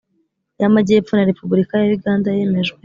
y Amajyepfo na Repubulika ya Uganda yemejwe